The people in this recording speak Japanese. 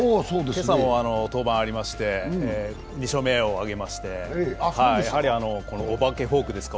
今朝も登板ありまして、２勝目を挙げまして、お化けフォークですか、